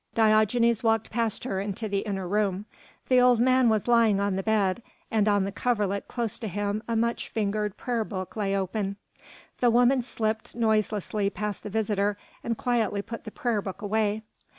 Diogenes walked past her into the inner room. The old man was lying on the bed, and on the coverlet close to him a much fingered prayer book lay open. The woman slipped noiselessly past the visitor and quietly put the prayer book away.